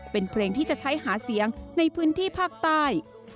เป็นเพลงที่จะใช้หาเสียงในพื้นที่ภาคใต้